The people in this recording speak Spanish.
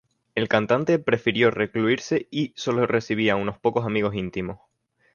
El cantante prefirió recluirse y sólo recibía a unos pocos amigos íntimos.